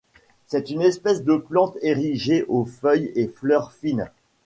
C'est une espèce de plante érigée, aux feuilles et fleurs fines.